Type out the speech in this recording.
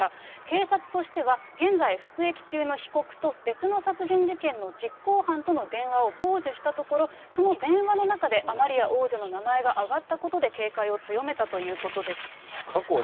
警察としては、現在、服役中の被告と、別の殺人事件の実行犯との電話を傍受したところ、その電話の中で、アマリア王女の名前が挙がったことで警戒を強めたということです。